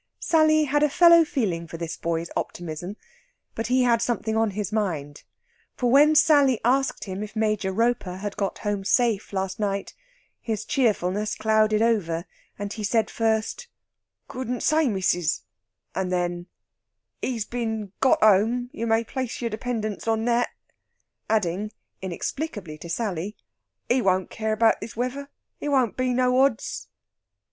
Sally had a fellow feeling for this boy's optimism. But he had something on his mind, for when Sally asked him if Major Roper had got home safe last night, his cheerfulness clouded over, and he said first, "Couldn't say, missis;" and then, "He's been got home, you may place your dependence on that;" adding, inexplicably to Sally, "He won't care about this weather; it won't be no odds!"